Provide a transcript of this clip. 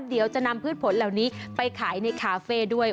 เดี๋ยวจะนำพืชผลเหล่านี้ไปขายในคาเฟ่ด้วย